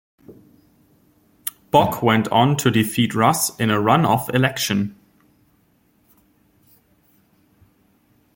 Boc went on to defeat Rus in a run-off election.